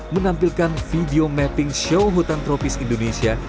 menampilkan video mapping show hutan tropis indonesia